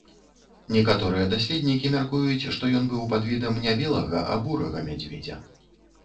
Некаторыя даследнікі мяркуюць, што ён быў падвідам не белага, а бурага мядзведзя.